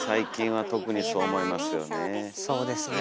そうですね。ね